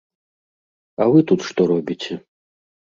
А вы тут што робіце?